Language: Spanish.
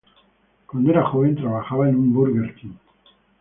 Cuando era joven trabajaba en un Burger King.